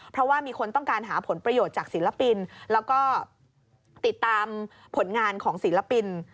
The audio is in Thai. เพราะว่ามีคนต้องการหาผลประโยชน์จากศิลปินแล้วก็ติดตามผลงานของศิลปิน